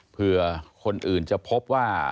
เพื่อคนอื่นจะพบว่า